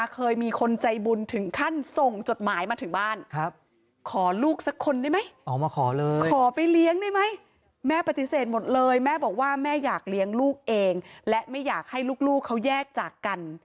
คุณแม่ก็บอกว่า